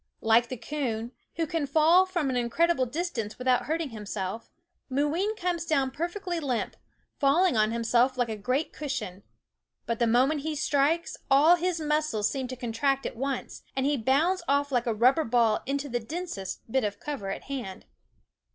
Like the coon, who can fall from an incredible distance without hurting himself, Mooween comes down per fectly limp, falling on himself like a great cushion; but the moment he strikes, all his muscles seem to contract at once, and he bounds off like a rubber ball into the densest bit of cover at hand.